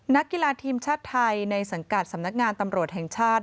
นักกีฬาทีมชาติไทยในสังกัดสำนักงานตำรวจแห่งชาติ